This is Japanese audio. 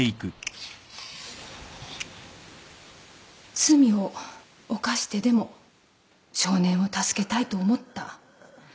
罪を犯してでも少年を助けたいと思った。